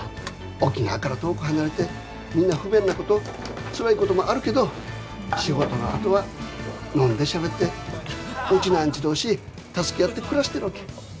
沖縄から遠く離れてみんな不便なことつらいこともあるけど仕事のあとは飲んでしゃべってウチナーンチュ同士助け合って暮らしてるわけ。